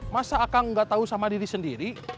masa akang ga tau sama diri sendiri